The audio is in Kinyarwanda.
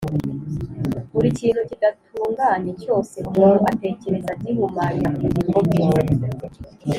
buri kintu kidatunganye cyose umuntu atekereza gihumanya ubugingo bwe,